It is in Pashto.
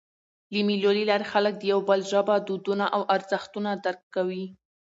د مېلو له لاري خلک د یو بل ژبه، دودونه او ارزښتونه درک کوي.